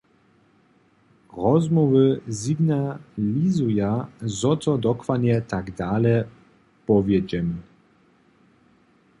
Rozmołwy signalizuja, zo to dokładnje tak dale powjedźemy.